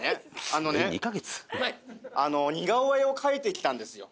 あのね似顔絵を描いてきたんですよ